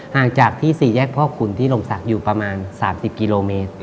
ห่างจากที่๔แยกพ่อขุนที่ลมศักดิ์อยู่ประมาณ๓๐กิโลเมตร